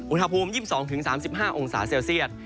อุณหภูมิ๒๒๓๕องศาเซลเซียต